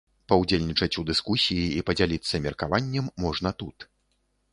Паўдзельнічаць у дыскусіі і падзяліцца меркаваннем можна тут.